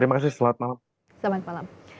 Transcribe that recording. terima kasih selamat malam